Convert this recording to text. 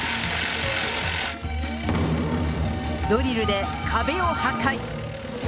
ドリルで壁を破壊。